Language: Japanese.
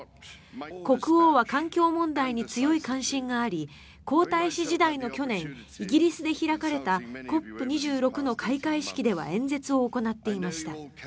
国王は環境問題に強い関心があり皇太子時代の去年イギリスで開かれたＣＯＰ２６の開会式では演説を行っていました。